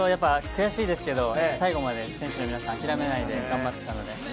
悔しいですけど、最後まで選手の皆さん諦めないで頑張っていたので。